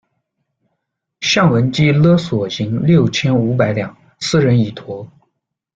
向雯基勒索银六千五百两，私人己橐」。